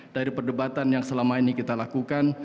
dari perdebatan yang selama ini kita lakukan